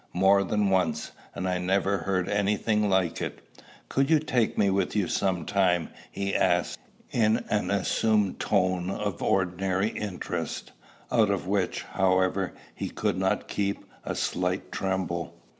"More than once. And I never heard any thing like it." "Could you take me with you some time?" he asked, in an assumed tone of ordinary interest, out of which, however, he could not keep a slight tremble.